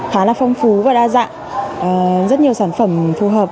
khá là phong phú và đa dạng rất nhiều sản phẩm phù hợp